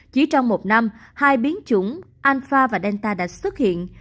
chỉ trong một năm hai biến chủng alfa và delta đã xuất hiện